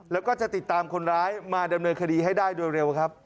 แล้วก็จะติดตามคนร้ายมาดำเนินคดีให้ได้โดยเร็วครับ